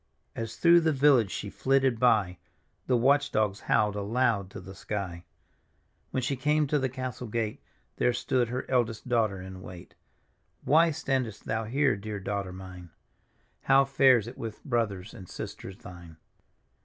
As through the village she flitted by, The watch dogs howled aloud to the sky. D,gt,, erihyGOOgle The Mother's Ghost 191 When she came to the castle gate, There sb>od her eldest daughter in wait. "Why standest thou here, dear daughter mine? How fares it with brothers and sisters thine?